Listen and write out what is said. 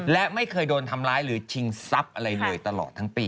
และไม่เคยโดนทำร้ายหรือชิงทรัพย์อะไรเลยตลอดทั้งปี